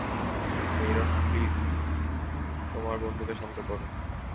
Myron, please তোমার বন্ধুকে শান্ত করো!